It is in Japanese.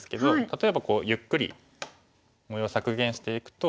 例えばゆっくり模様削減していくと。